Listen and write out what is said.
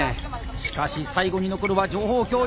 しかし最後に残るは情報共有。